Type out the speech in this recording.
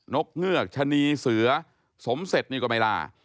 นกเงือกชะนีเสือสมเศษมีกว่าไม่ล่า